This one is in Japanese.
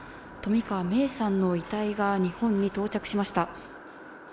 冨川芽生さんの遺体が日本に到着しました。